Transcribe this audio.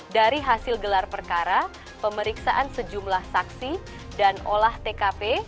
dari hasil gelar perkara pemeriksaan sejumlah saksi dan olah tkp